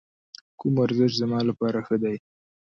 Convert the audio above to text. کوم ورزش زما لپاره ښه دی؟